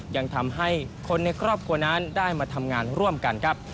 ยังทำให้คนในครอบครัวนั้นได้มาทำงานร่วมกันครับ